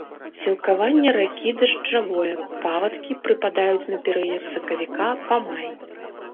Сілкаванне ракі дажджавое, паводкі прыпадаюць на перыяд з сакавіка па май.